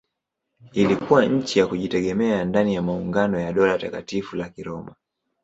Ilikuwa nchi ya kujitegemea ndani ya maungano ya Dola Takatifu la Kiroma.